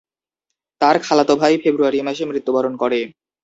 তার খালাতো ভাই ফেব্রুয়ারি মাসে মৃত্যুবরণ করে।